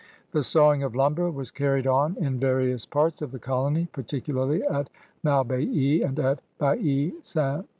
The sawing of lumber was carried on in various parts of the colony, particularly at Malbaie and at Bale St. Paul.